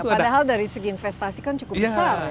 padahal dari segi investasi kan cukup besar